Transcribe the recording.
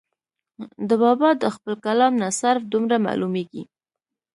د بابا د خپل کلام نه صرف دومره معلوميږي